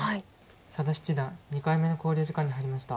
佐田七段２回目の考慮時間に入りました。